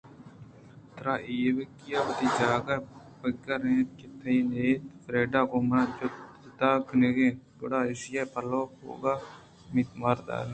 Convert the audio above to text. ترا ایوک ءَ وتی جاگہ ءِ پگر اِنت کہ تئی نیّت فریڈا ءَ گوں من جتا کنگ اِنت گڑا ایشی ءِ پیلو بوئگ ءِ اُمیت ءَ مہ دار